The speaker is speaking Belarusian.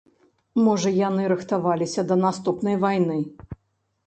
Можа, яны рыхтаваліся да наступнай вайны?